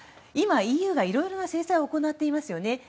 今ＥＵがいろいろな制裁を行っていますね。